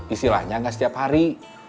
istilahnya gak setiap hari